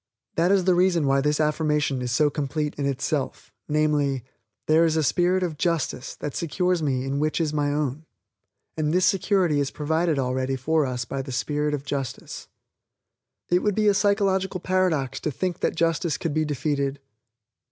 That is the reason why this affirmation is so complete in itself; namely, "There is a spirit of JUSTICE that secures me in which is my own, and this security is provided already for us by the Spirit of Justice." It would be a psychological paradox to think that Justice could be defeated.